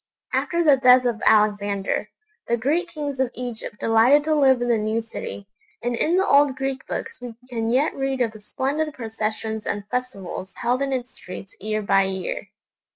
After the death of Alexander, the Greek kings of Egypt delighted to live in the new city, and in the old Greek books we can yet read of the splendid processions and festivals held in its streets year by year.